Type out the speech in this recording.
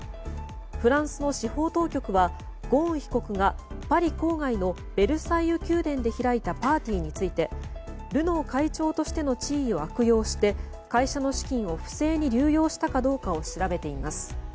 フランスの司法当局はゴーン被告がパリ郊外のベルサイユ宮殿で開いたパーティーについてルノー会長としての地位を悪用して会社の資金を不正に流用したかどうかを調べています。